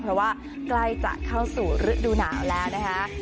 เพราะว่าใกล้จะเข้าสู่ฤดูหนาวแล้วนะคะ